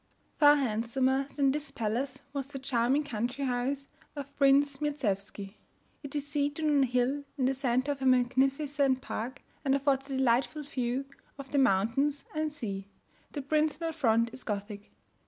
Far handsomer than this palace was the charming country house of Prince Mirzewsky. It is seated on a hill, in the centre of a magnificent park, and affords a delightful view of the mountains and sea. The principal front is Gothic.